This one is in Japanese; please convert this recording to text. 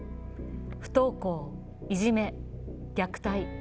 不登校、いじめ、虐待。